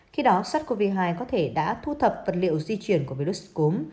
khi đó sars cov hai có thể đã thu thập vật liệu di chuyển của virus cúm